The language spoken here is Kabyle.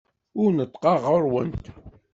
Ur neṭṭqeɣ ɣer-went.